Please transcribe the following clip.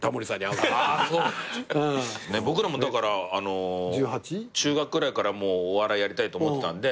僕らも中学ぐらいからお笑いやりたいと思ってたんで。